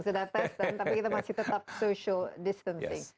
udah tes tapi kita masih tetap social distancing